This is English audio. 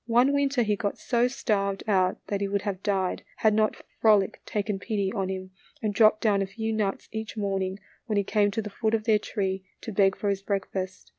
One winter he got so starved out that he would have died, had not Frolic taken pity on him and dropped down a few nuts each morning when he came to the foot of their tree to beg for his breakfast.